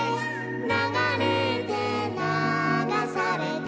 「ながれてながされて」